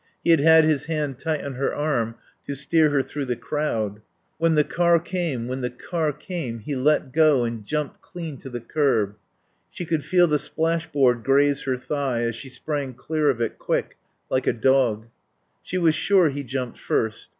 He had had his hand tight on her arm to steer her through the crowd. When the car came ... when the car came ... he let go and jumped clean to the curb. She could feel the splash board graze her thigh, as she sprang clear of it, quick, like a dog. She was sure he jumped first.